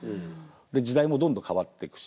で時代もどんどん変わってくし。